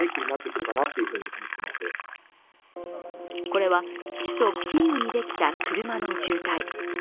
これは首都キーウにできた車の渋滞。